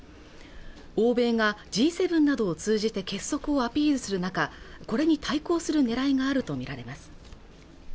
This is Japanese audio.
欧米がＧ７などを通じて結束をアピールする中これに対抗するねらいがあると見られます